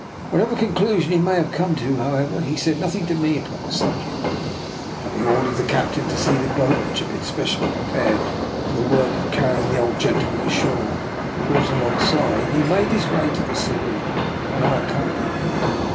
Whatever conclusion he may have come to, however, he said nothing to me upon the sub jects Having ordered the captain to see the boat — which had been specially prepared for the work of carrying the old gentleman ashore ^brought alongside, he made his way to the saloon, and I accompanied him.